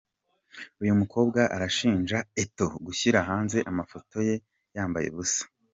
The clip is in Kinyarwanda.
Uyu mukobwa arashinja Eto'o gushyira hanze amafoto ye yambaye ubusa.